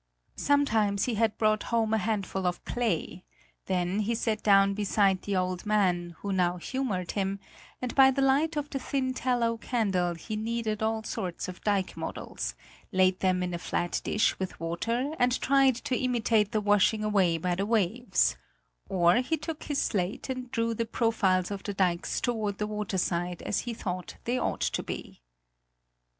Sometimes he had brought home a handful of clay; then he sat down beside the old man, who now humoured him, and by the light of the thin tallow candle he kneaded all sorts of dike models, laid them in a flat dish with water and tried to imitate the washing away by the waves; or he took his slate and drew the profiles of the dikes toward the waterside as he thought they ought to be.